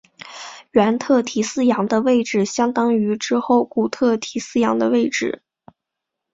原特提斯洋的位置相当于之后古特提斯洋的位置。